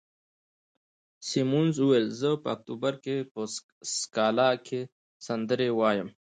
سیمونز وویل: زه په اکتوبر کې په سکالا کې سندرې وایم.